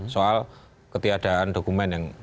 soal ketiadaan dokumen yang